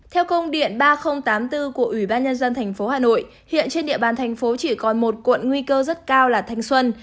theo công điện ba nghìn tám mươi bốn của ủy ban nhân dân tp hà nội hiện trên địa bàn thành phố chỉ còn một quận nguy cơ rất cao là thanh xuân